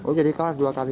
oh jadi kalah dua kali